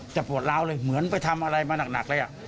ปวดร้าวเลยเหมือนไปทำอะไรมาหนักเลย